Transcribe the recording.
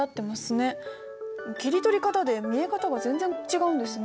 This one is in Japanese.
切り取り方で見え方が全然違うんですね。